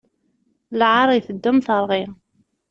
Lɛaṛ iteddu am teṛɣi.